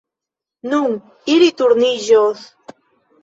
Nun ili turniĝos.